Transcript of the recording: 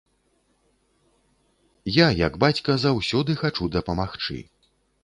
Я як бацька заўсёды хачу дапамагчы.